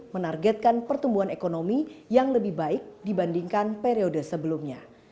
menargetkan pertumbuhan ekonomi yang lebih baik dibandingkan periode sebelumnya